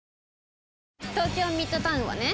東京ミッドタウンはね